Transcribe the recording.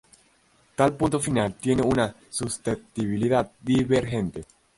Tal punto final tiene una susceptibilidad divergente.